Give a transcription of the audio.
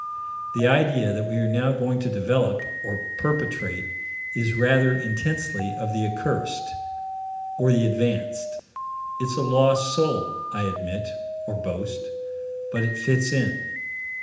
The idea that we are now going to develop, or perpetrate, is rather intensely of the accursed, or the advanced. It's a lost soul, I admit or boast but it fits in.